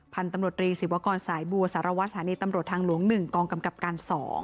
พันธุ์ตำรวจรีศิวกรสายบัวสารวัตสถานีตำรวจทางหลวง๑กองกำกับการ๒